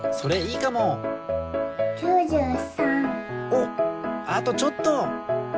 おっあとちょっと！